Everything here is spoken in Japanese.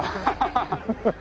ハハハ。